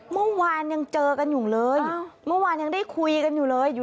เมื่อวานยังเจอกันอยู่เลย